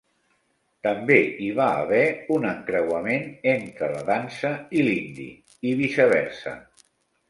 També hi va haver un encreuament entre la dansa i l'indi, i viceversa.